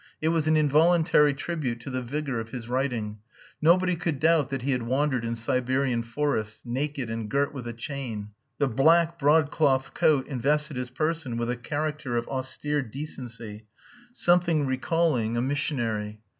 It was an involuntary tribute to the vigour of his writing. Nobody could doubt that he had wandered in Siberian forests, naked and girt with a chain. The black broadcloth coat invested his person with a character of austere decency something recalling a missionary.